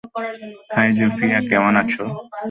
High, Zofia কেমন আছো?